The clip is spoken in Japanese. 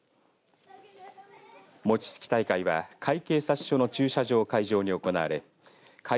餅つき大会は甲斐警察署の駐車場を会場に行われ甲斐